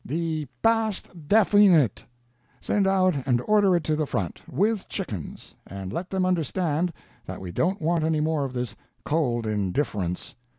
"The Past Definite." "Send out and order it to the front with chickens. And let them understand that we don't want any more of this cold indifference."